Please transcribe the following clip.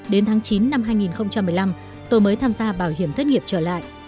đến tháng chín năm hai nghìn một mươi năm tôi mới tham gia bảo hiểm thất nghiệp trở lại